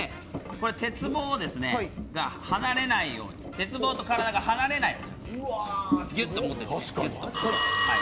鉄棒が離れないように、鉄棒と体が離れないようにぎゅっと持っていてください。